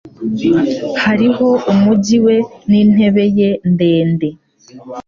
Hariho umujyi we n'intebe ye ndende